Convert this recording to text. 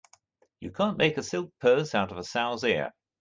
You can't make a silk purse out of a sow's ear.